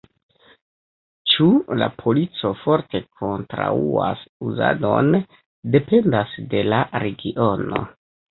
Ĉu la polico forte kontraŭas uzadon, dependas de la regiono.